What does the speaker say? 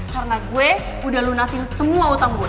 karena gue udah lunasin semua utang gue